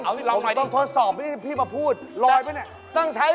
เอ้าจริงปะนี่